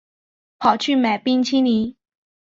跑去买冰淇淋